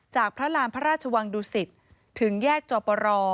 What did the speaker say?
พระรามพระราชวังดุสิตถึงแยกจอปร